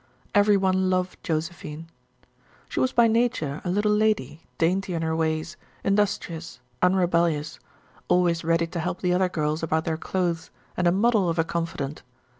Every one loved Josephine. She was by nature a little lady, dainty in her ways, industrious, unrebellious, always ready to help the other girls about their clothes, and a model of a confidant.